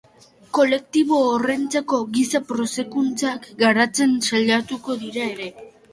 Kolektibo horrentzako giza prestakuntzak garatzen saiatuko dira ere.